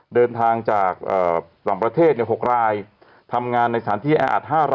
เดินทางจากเอ่อสามประเทศหกรายทำงานในสถานที่อาจห้ารายนะครับ